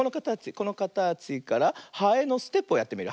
このかたちからハエのステップをやってみる。